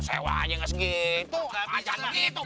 sewanya gak segitu